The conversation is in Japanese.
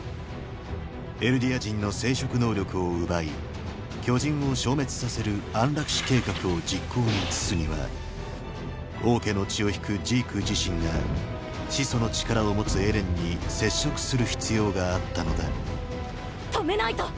エルディア人の生殖能力を奪い巨人を消滅させる安楽死計画を実行に移すには王家の血を引くジーク自身が始祖の力を持つエレンに接触する必要があったのだ止めないと！！